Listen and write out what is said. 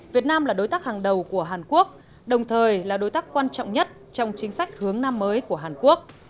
việt nam là đối tác hàng đầu của hàn quốc đồng thời là đối tác quan trọng nhất trong chính sách hướng năm mới của hàn quốc